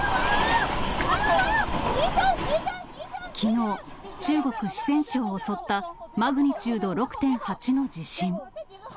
きのう、中国・四川省を襲ったマグニチュード６．８の地震。